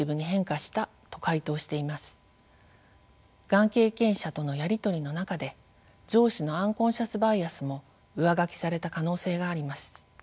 がん経験者とのやり取りの中で上司のアンコンシャスバイアスも上書きされた可能性があります。